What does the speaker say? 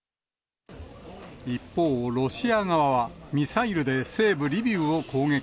一方、ロシア側は、ミサイルで西部リビウを攻撃。